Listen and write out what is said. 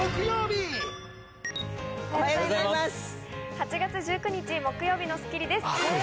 ８月１９日木曜日の『スッキリ』です。